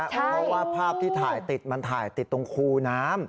เพราะว่าภาพที่ถ่ายติดมันถ่ายติดตรงคูน้ำ